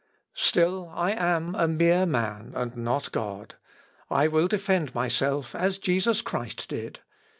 "Still I am a mere man and not God; and I will defend myself as Jesus Christ did.